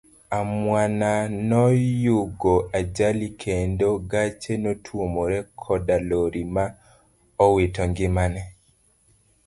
Amwana noyugo ajali kendo gache notuomore koda lori ma owito ngimane.